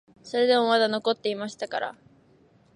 それでもまだ残っていましたから、